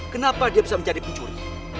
kenapa dia bisa menjadi pencuri